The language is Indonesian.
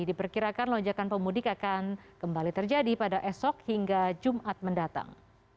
diperkirakan lonjakan pemudik akan kembali terjadi pada esok hingga jumat mendatang